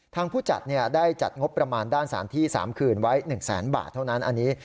ผู้จัดได้จัดงบประมาณด้านสารที่๓คืนไว้๑แสนบาทเท่านั้นอันนี้